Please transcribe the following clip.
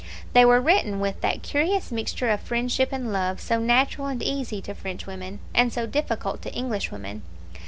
They were written with that curious mixture of friendship and love, so natural and easy to Frenchwomen, and so difficult to Englishwomen.